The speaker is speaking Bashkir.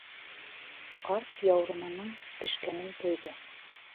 Ҡарт яурынының бешкәнен тойҙо.